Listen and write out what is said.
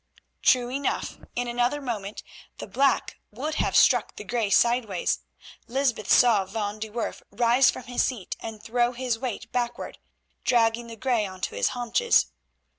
True enough, in another moment the black would have struck the grey sideways. Lysbeth saw Van de Werff rise from his seat and throw his weight backward, dragging the grey on to his haunches.